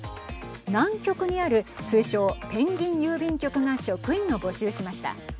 南極にある通称、ペンギン郵便局が職員を募集しました。